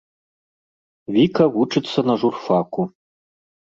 Віка вучыцца на журфаку.